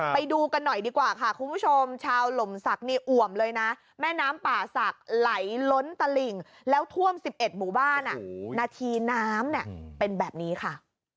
ไปดูกันหน่อยดีกว่าค่ะคุณผู้ชมชาวหล่มศักดิ์นี่อ่วมเลยนะแม่น้ำป่าศักดิ์ไหลล้นตลิ่งแล้วท่วม๑๑หมู่บ้านนาทีน้ำเป็นแบบนี้ค่ะ